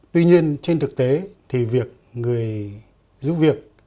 tuy nhiên trên thực tế thì việc người giúp việc